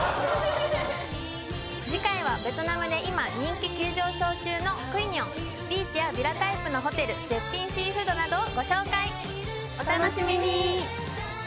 次回はベトナムで今人気急上昇中のクイニョンビーチやヴィラタイプのホテル絶品シーフードなどをご紹介お楽しみに！